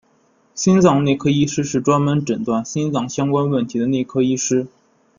心脏内科医师是专门诊断心脏相关问题的内科医师。